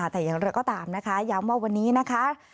แต่อย่างไรก็ตามนะคะย้ำว่าวันนี้นะคะ